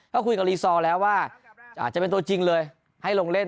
ก็คุยกับรีซอร์แล้วว่าจะเป็นตัวจริงเลยให้ลงเล่น